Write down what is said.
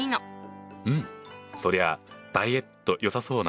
うんそりゃあダイエットよさそうな。